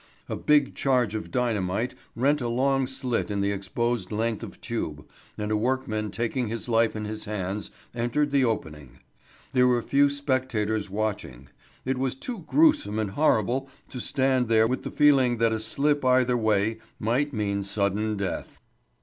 A big charge of dynamite rent a long slit in the exposed length of tube, and a workman taking his life in his hands entered the opening. There were few spectators watching. It was too gruesome and horrible to stand there with the feeling that a slip either way might mean sudden death.